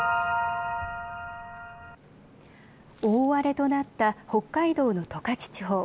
大荒れとなった北海道の十勝地方。